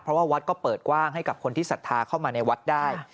เพราะว่าวัดก็เปิดกว้างให้กับคนที่ศรัทธาเข้ามาในวัดได้